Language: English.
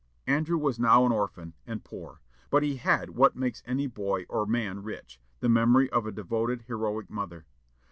Andrew was now an orphan, and poor; but he had what makes any boy or man rich, the memory of a devoted, heroic mother.